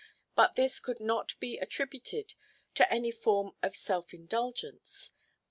But this could not be attributed to any form of self–indulgence.